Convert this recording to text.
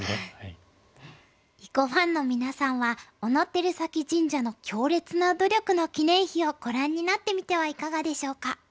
囲碁ファンの皆さんは小野照崎神社の「強烈な努力」の記念碑をご覧になってみてはいかがでしょうか。